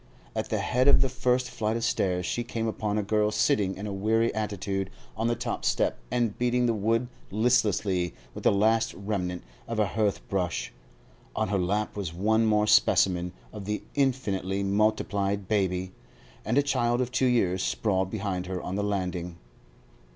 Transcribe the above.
At the head of the first flight of stairs she came upon a girl sitting in a weary attitude on the top step and beating the wood listlessly with the last remnant of a hearth brush; on her lap was one more specimen of the infinitely multiplied baby, and a child of two years sprawled behind her on the landing.